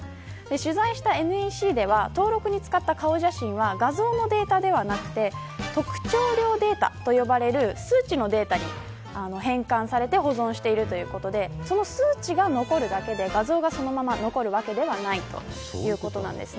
取材したＮＥＣでは登録に使った顔写真は画像のデータではなく特徴量データと呼ばれる数値のデータに変換されて保存しているということでその数値が残るだけで、画像がそのまま残るわけではないということなんです。